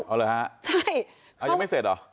อ๋อเหรอฮะยังไม่เสร็จเหรอ